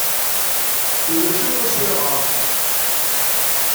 Ulac akk aswir ɣer-sen.